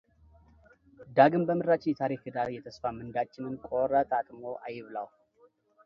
ዳግም በምድራችን የታሪክ ዕዳ የተስፋ ምንዳችንን ቆረጣጥሞ አይብላው።